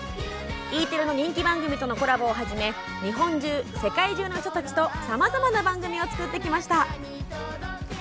Ｅテレの人気番組とのコラボをはじめ日本中、世界中の人たちとさまざまな番組を作ってきました。